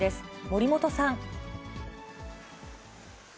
森本さん。